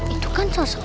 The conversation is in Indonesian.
itu kan sosoknya